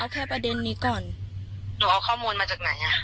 แค่ประเด็นนี้ก่อนหนูเอาข้อมูลมาจากไหนอ่ะ